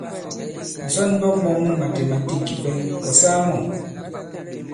Ǹsɔnmbɔk mɔ̄ŋ mu màtèmàtîk kìpɛ, ɔ̀ saa mɔ̂ ?